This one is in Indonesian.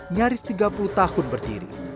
nyaris tiga puluh tahun berdiri